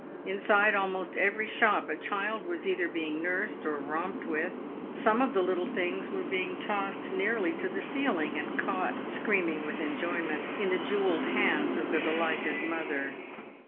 Inside almost every shop a child was either being nursed or romped with. Some of the little things were being tossed nearly to the ceil ing, and caught, screaming with enjoyment, in the jewelled hands of the delighted mother.